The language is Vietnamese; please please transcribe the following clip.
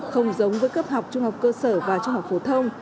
không giống với cấp học trung học cơ sở và trung học phổ thông